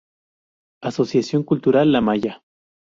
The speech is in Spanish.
Asociación Cultural La Maya